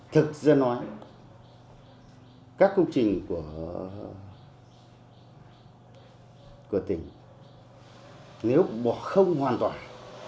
thực ra nói các công trình của tỉnh nếu bỏ không hoàn toàn